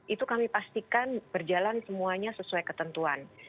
itu kami pastikan berjalan semuanya sesuai ketentuan